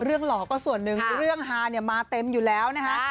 เรื่องหลอก็ส่วนหนึ่งเรื่องฮามาเต็มอยู่แล้วนะฮะ